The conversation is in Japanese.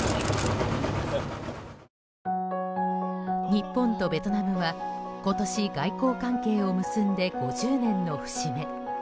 日本とベトナムは今年外交関係を結んで５０年の節目。